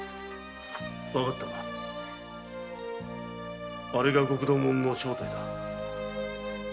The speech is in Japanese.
わかったかあれが極道者の正体だ。